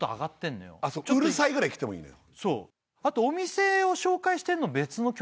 うるさいぐらいきてもいいのよ